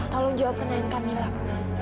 tolong jawab pertanyaan kamila kak